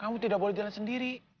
kamu tidak boleh jalan sendiri